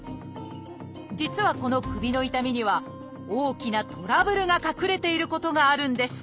実はこの首の痛みには大きなトラブルが隠れていることがあるんです。